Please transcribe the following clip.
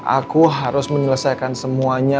aku harus menyelesaikan semuanya